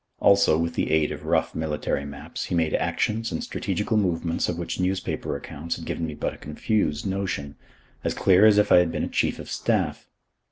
Also, with the aid of rough military maps, he made actions and strategical movements of which newspaper accounts had given me but a confused notion, as clear as if I had been a chief of staff.